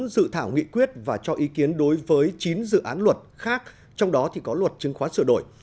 bốn dự thảo nghị quyết và cho ý kiến đối với chín dự án luật khác trong đó thì có luật chứng khoán sửa đổi